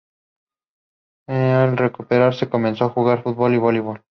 Al recuperarse, comenzó a jugar futbol y voleibol.